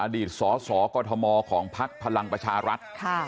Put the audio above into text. อดีตสสกมของพักพลังประชารัฐ